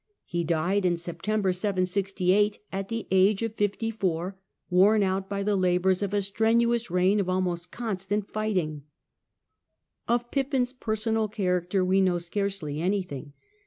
He died in September, 768, at the age of fifty four, worn out by the labours of a strenuous reign of almost constant fighting. Of Pippin's personal character we know scarcely anything.